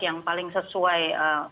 yang paling sesuai